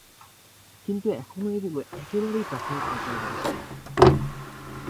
কিন্তু এখনো এগুলো একেবারেই প্রাথমিক পর্যায়ে রয়েছে।